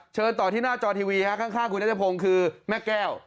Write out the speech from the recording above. เชิญต่อที่หน้าจอทีวีฮะข้างคุณนัทพงศ์คือแม่แก้ว